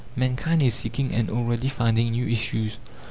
Mankind is seeking and already finding new issues.